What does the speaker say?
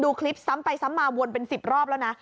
คลิปซ้ำไปซ้ำมาวนเป็น๑๐รอบแล้วนะ